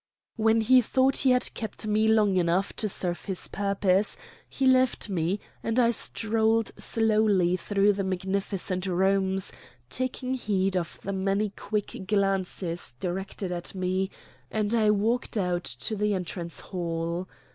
When he thought he had kept me long enough to serve his purpose he left me and I strolled slowly through the magnificent rooms, taking heed of the many quick glances directed at me; and I walked out to the entrance hall.